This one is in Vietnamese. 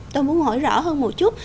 tôi muốn hỏi rõ hơn một chút